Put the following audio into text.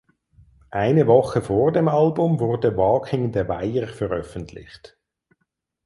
Eine Woche vor dem Album wurde "Walking the Wire" veröffentlicht.